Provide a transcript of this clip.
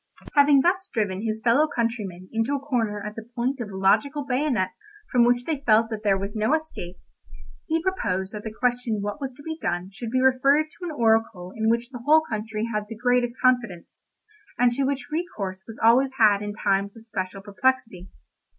Having thus driven his fellow countrymen into a corner at the point of a logical bayonet from which they felt that there was no escape, he proposed that the question what was to be done should be referred to an oracle in which the whole country had the greatest confidence, and to which recourse was always had in times of special perplexity.